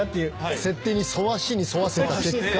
設定に沿わしに沿わせた結果。